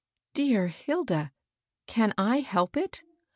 ^^ Dear Hilda, can I help it